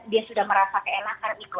dia sudah merasa keenakan itu